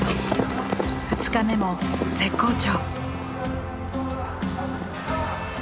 ２日目も絶好調。